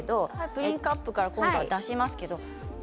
プリンカップから出しますけれども。